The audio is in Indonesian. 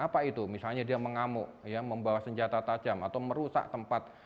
apa itu misalnya dia mengamuk membawa senjata tajam atau merusak tempat